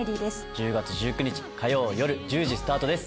１０月１９日火曜よる１０時スタートです